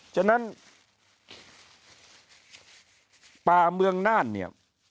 ฉะนั้นป่าเมืองน่านเนี่ย